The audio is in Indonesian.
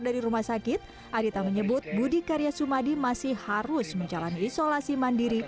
dari rumah sakit adita menyebut budi karya sumadi masih harus menjalani isolasi mandiri